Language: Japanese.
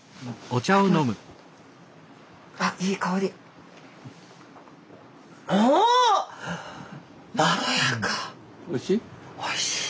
おいしい？